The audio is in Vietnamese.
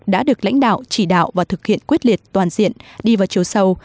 đã được lãnh đạo chỉ đạo và thực hiện quyết liệt toàn diện đi vào chiều sâu